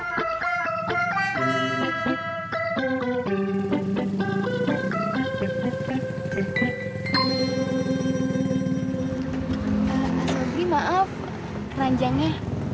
sobri maaf keranjangnya